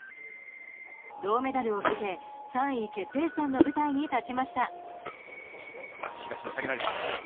銅メダルをかけ３位決定戦の舞台に立ちました。